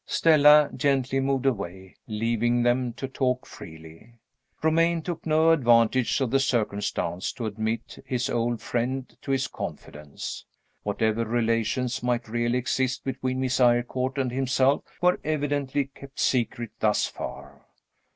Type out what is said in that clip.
Stella gently moved away, leaving them to talk freely. Romayne took no advantage of the circumstance to admit his old friend to his confidence. Whatever relations might really exist between Miss Eyrecourt and himself were evidently kept secret thus far.